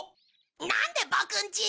なんでボクんち！